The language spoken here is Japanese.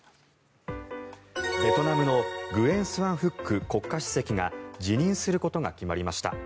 ベトナムのグエン・スアン・フック国家主席が辞任することが決まりました。